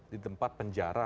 di tempat penjara